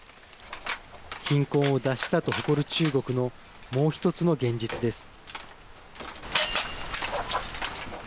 貧困を脱したと誇る中国のもう１つの現実です。